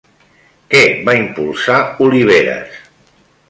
Què va impulsar Oliveres?